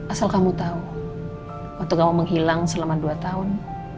asal kamu tahu waktu kamu menghilang selama dua tahun